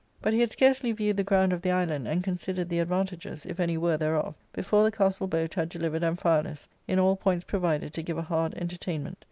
But he had scarcely viewed the ground of the island, and considered the advantages, if any were, thereof, before the castle boat had delivered Amphialus, in all points provided to give a hard entertainment.